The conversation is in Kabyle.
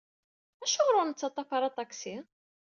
Acuɣer ur nettaṭṭaf ara aṭaksi?